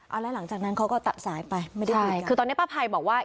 เอาแล้วหลังจากนั้นเขาก็ตัดสายไปไม่ได้ไปคือตอนนี้ป้าภัยบอกว่า